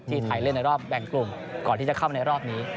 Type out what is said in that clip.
ไทยเล่นในรอบแบ่งกลุ่มก่อนที่จะเข้าในรอบนี้